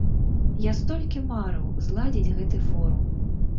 Я столькі марыў зладзіць гэты форум!